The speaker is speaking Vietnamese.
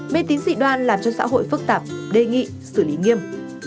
mê tín dị đoan làm cho xã hội phức tạp đề nghị xử lý nghiêm